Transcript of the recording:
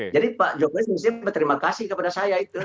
jadi pak jokowi mesti berterima kasih kepada saya itu